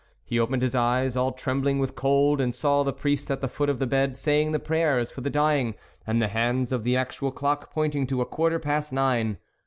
He opened his eyes, all trembling with cold, and saw the priest at the foot of the bed saying the prayers for the dying, and the hands of the actual clock pointing to a quarter past nine.